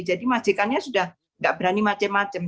jadi majikannya sudah tidak berani macem macem